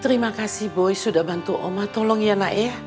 terima kasih boy sudah bantu oma tolong ya nae